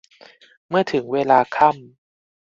เมื่อถึงเวลาค่ำ